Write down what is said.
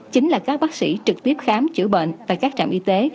chính là các bác sĩ trực tiếp khám chữa bệnh tại các trạm y tế